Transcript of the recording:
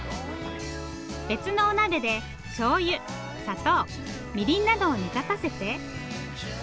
別のお鍋でしょうゆ砂糖みりんなどを煮立たせて。